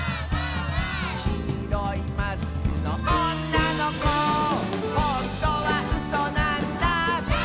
「きいろいマスクのおんなのこ」「ほんとはうそなんだ」